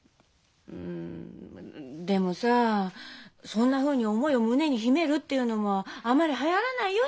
そんなふうに思いを胸に秘めるっていうのはあまりはやらないよ